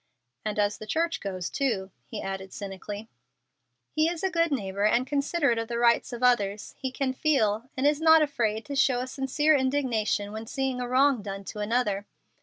"And as the church goes, too," he added, cynically. "He is a good neighbor, and considerate of the rights of others. He can feel, and is not afraid to show a sincere indignation when seeing a wrong done to another."